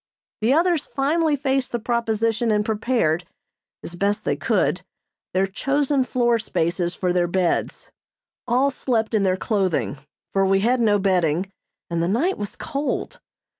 The others finally faced the proposition and prepared, as best they could, their chosen floor spaces for their beds. All slept in their clothing, for we had no bedding and the night was cold.